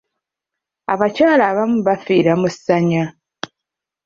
Abakyala abamu bafiira mu ssanya.